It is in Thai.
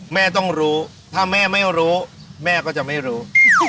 แม่ต้องรู้ถ้าแม่ไม่รู้แม่ก็จะไม่รู้